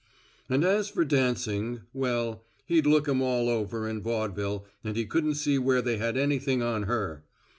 And as for dancing well, he'd looked 'em all over in vaudeville and he couldn't see where they had anything on her.